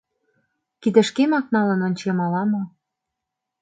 — Кидышкемак налын ончем ала-мо?